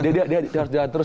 dia harus jalan terus